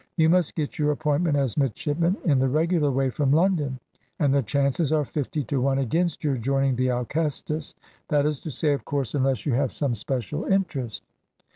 You must get your appointment as midshipman in the regular way from London. And the chances are fifty to one against your joining the Alcestis. That is to say, of course, unless you have some special interest."